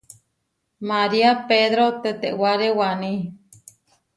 Maria pedro tetewáre waní.